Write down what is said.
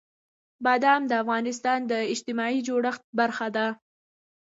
بادام د افغانستان د اجتماعي جوړښت برخه ده.